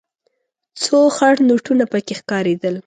څو خړ نوټونه پکې ښکارېدل.